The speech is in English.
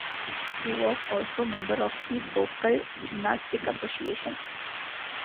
He was also member of the Sokol gymnastic association.